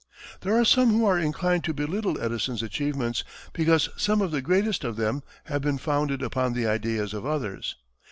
There are some who are inclined to belittle Edison's achievements because some of the greatest of them have been founded upon the ideas of others.